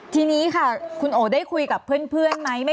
ทีนี้ค่ะคุณโอได้คุยกับเพื่อนไหม